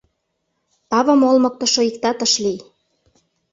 Тавым олмыктышо иктат ыш лий.